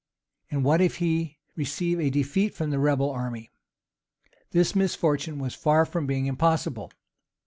And what if he receive a defeat from the rebel army? This misfortune was far from being impossible.